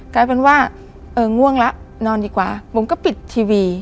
กลายเป็นว่าเออง่วงแล้วนอนดีกว่าบุ๋มก็ปิดทีวี